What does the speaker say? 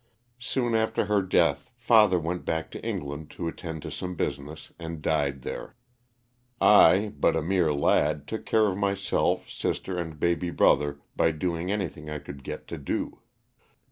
Soon after her death father went back to England to attend to some business and died there. I, but a mere lad, took care of myself, sister and baby brother by do ing anything I could get to do.